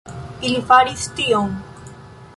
Ili faris tion!